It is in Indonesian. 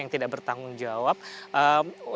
yang karena bisa menghalangi mobilitas warga begitu